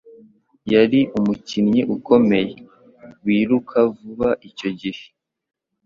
Yari umukinnyi ukomeye, wiruka vuba icyo gihe.